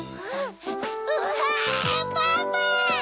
うわパパ！